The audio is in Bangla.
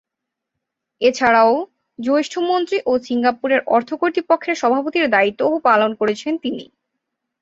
এছাড়াও, জ্যেষ্ঠ মন্ত্রী ও সিঙ্গাপুরের অর্থ কর্তৃপক্ষের সভাপতির দায়িত্বও পালন করেছেন তিনি।